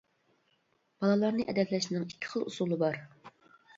بالىلارنى ئەدەپلەشنىڭ ئىككى خىل ئۇسۇلى بار.